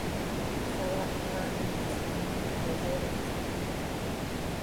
سواء كانوا مسلمين أو غير مسلمين،